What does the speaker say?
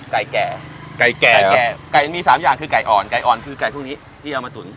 ไก่แก่ไก่แก่ไก่แก่ไก่มีสามอย่างคือไก่อ่อนไก่อ่อนคือไก่พวกนี้ที่เอามาตุ๋น